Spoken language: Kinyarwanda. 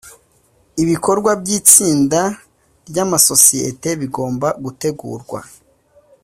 ibikorwa by’itsinda ry’amasosiyete bigomba gutegurwa